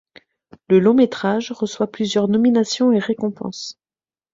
Le long-métrage reçoit plusieurs nominations et récompenses.